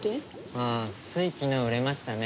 うん、つい昨日売れましたね。